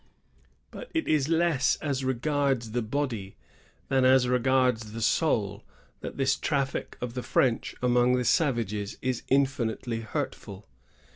But it is less as regards the body than as regards the soul that this traffic of the French among the savages is infinitely hurtful.